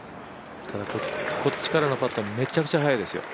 こっちからのパットはめちゃくちゃ速いですよ。